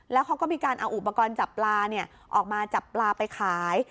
แล้วเขาก็มีการเอาอุปกรณ์จับปลาออกมาจับปลาไปขาย